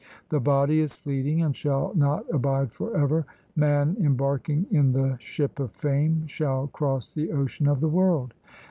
The body is fleeting and shall not abide for ever ; man embarking in the ship of fame shall cross the ocean of the world.